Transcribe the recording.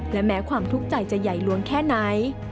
และแม้ความทุกข์ใจจะใหญ่ล้วงแค่ไหน